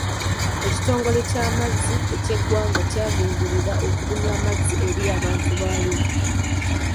Ekitongole ky'amazzi eky'eggwanga kyagenderera okubunya amazzi eri abantu ba Arua.